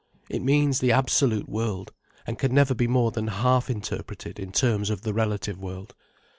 It means the Absolute World, and can never be more than half interpreted in terms of the relative world.